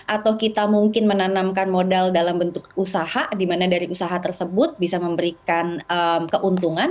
atau kita mungkin menanamkan modal dalam bentuk usaha di mana dari usaha tersebut bisa memberikan keuntungan